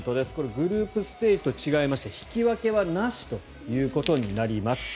グループステージと違いまして引き分けはなしということになります。